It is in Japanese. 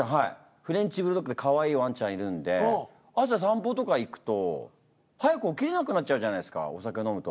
フレンチブルドッグでかわいいワンちゃんいるんで朝散歩とか行くと早く起きれなくなっちゃうじゃないですかお酒飲むと。